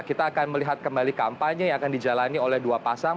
kita akan melihat kembali kampanye yang akan dijalani oleh dua pasang